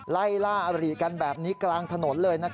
ไล่ล่าอริกันแบบนี้กลางถนนเลย